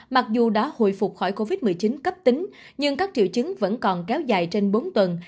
mặc dù đã hồi phục khỏi covid một mươi chín cấp tính nhưng các triệu chứng vẫn còn kéo dài trên bốn tuần